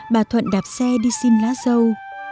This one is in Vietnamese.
bà thuận đạp xe đi xin lá dâu